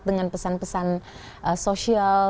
dengan pesan pesan sosial